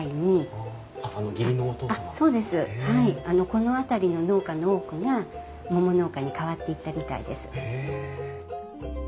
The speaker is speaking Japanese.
この辺りの農家の多くが桃農家に変わっていったみたいです。